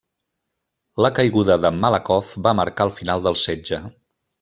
La caiguda de Malakoff va marcar el final del setge.